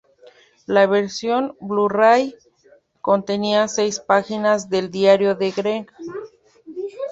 La versión Blu-ray contenía seis páginas del diario de Greg.